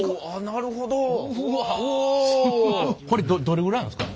これどれぐらいなんですか？